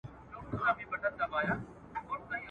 سم نیت کار نه خرابوي.